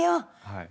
はい。